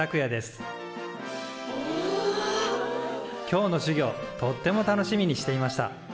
今日の授業とっても楽しみにしていました。